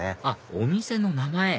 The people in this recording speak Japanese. あっお店の名前！